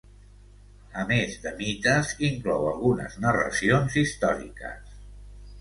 A més de mites inclou algunes narracions històriques.